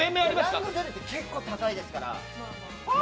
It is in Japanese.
ランドセルって結構高いですから。